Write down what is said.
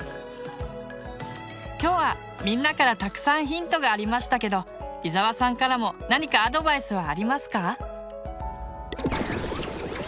今日はみんなからたくさんヒントがありましたけど伊沢さんからも何かアドバイスはありますか？